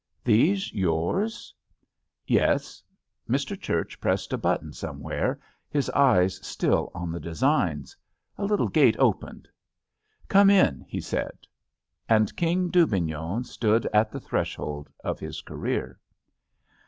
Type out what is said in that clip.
"These yours?" J) JUST SWEETHEARTS Yes." Mr. Church pressed a button some where, his eyes still on the designs. A little gate opened. "Come in," he said. And King Dubignon stood at the threshold of his career.